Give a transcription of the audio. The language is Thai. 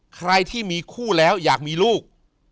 ใครที่มีคู่แล้วอยากมีลูก